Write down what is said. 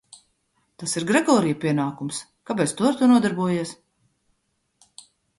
Tas ir Gregorija pienākums, kāpēc tu ar to nodarbojies?